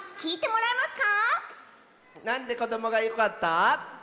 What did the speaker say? なんでこどもがよかった？